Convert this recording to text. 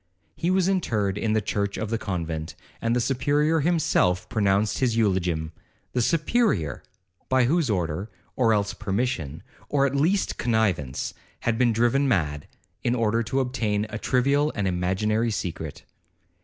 He was interred in the church of the convent, and the Superior himself pronounced his eulogium—the Superior! by whose order, or else permission, or at least connivance, he had been driven mad, in order to obtain a trivial and imaginary secret.